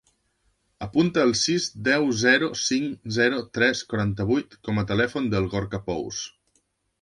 Apunta el sis, deu, zero, cinc, zero, tres, quaranta-vuit com a telèfon del Gorka Pous.